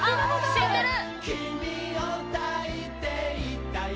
知ってる」